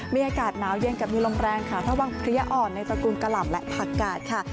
มีอากาศหนาวเย็นกับมีลมแรงค่ะระวังเพลี้ยอ่อนในตระกูลกะหล่ำและผักกาดค่ะ